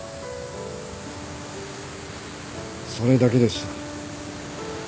それだけでした。